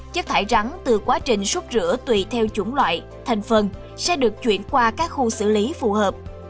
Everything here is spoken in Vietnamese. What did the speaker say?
chất thải rắn từ quá trình xúc rửa tùy theo chủng loại thành phần sẽ được chuyển qua các khu xử lý phù hợp